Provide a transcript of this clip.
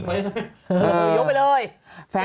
โอ้โฮยกไปเลย